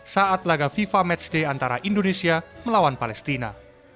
saat laga fifa matchday antara indonesia melawan palestina